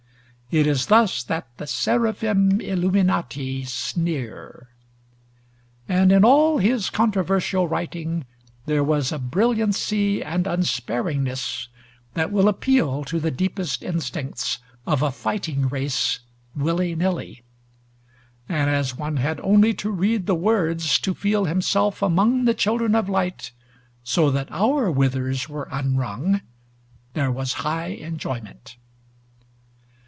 It is thus that "the seraphim illuminati sneer." And in all his controversial writing there was a brilliancy and unsparingness that will appeal to the deepest instincts of a fighting race, willy nilly; and as one had only to read the words to feel himself among the children of light, so that our withers were unwrung, there was high enjoyment.